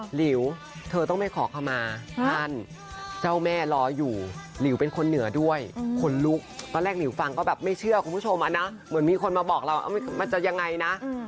หลิวเธอต้องไปขอคำมา